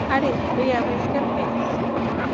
আরে ওই আমেরিকান মেয়ে?